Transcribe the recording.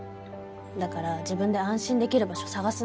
だから自分で安心できる場所探すんだって。